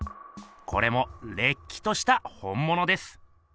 これもれっきとした本ものです。